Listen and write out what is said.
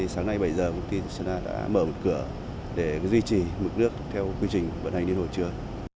sáng nay bảy giờ thủy điện sơn la đã mở một cửa để duy trì mực nước theo quy trình vận hành điện hội chứa